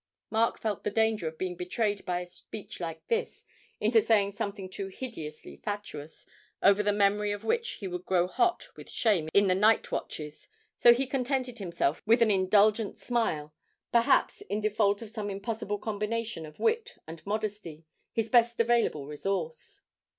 Mark felt the danger of being betrayed by a speech like this into saying something too hideously fatuous, over the memory of which he would grow hot with shame in the night watches, so he contented himself with an indulgent smile, perhaps, in default of some impossible combination of wit and modesty, his best available resource.